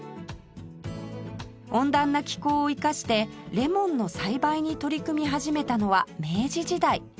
温暖な気候を生かしてレモンの栽培に取り組み始めたのは明治時代